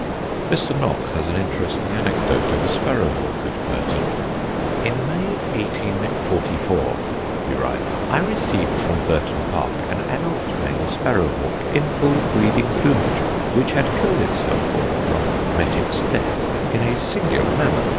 Mr. Knox has an interesting anecdote of a sparrowhawk at Burton. "In May, 1844," he writes, "I received from Burton Park an adult male sparrowhawk in full breeding plumage, which had killed itself, or rather met its death, in a singular manner.